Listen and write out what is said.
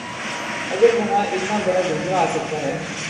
اگر وہاں اتنا بڑا زلزلہ آ سکتا ہے۔